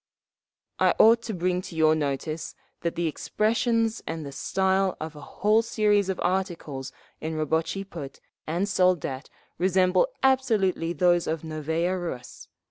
"I ought to bring to your notice… that the expressions and the style of a whole series of articles in Rabotchi Put and Soldat resemble absolutely those of _Novaya Rus….